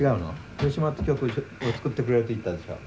「ヒロシマ」って曲を作ってくれるって言ったでしょ。